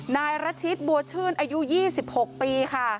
นายรัชชิตบัวชื่นอายุ๒๖ปีค่ะ